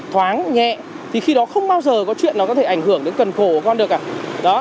thoáng nhẹ thì khi đó không bao giờ có chuyện nó có thể ảnh hưởng đến cần khổ của con được cả